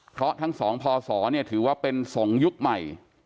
เพราะทั้งสองพศถือว่าเป็นสงฆ์ยุคใหม่